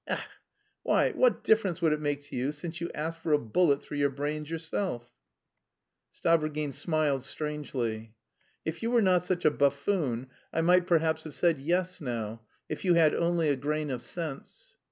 Ech! Why, what difference would it make to you since you ask for a bullet through your brains yourself?" Stavrogin smiled strangely. "If you were not such a buffoon I might perhaps have said yes now.... If you had only a grain of sense..."